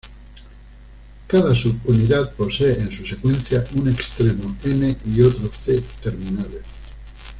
Cada subunidad posee en su secuencia un extremo N- y otro C-terminales.